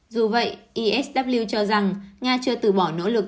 dù vậy isw cho rằng nga chưa từ bỏ nỗ lực